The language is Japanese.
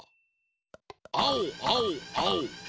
あおあおあお。